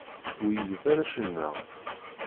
Wiyi d arrac-nneɣ.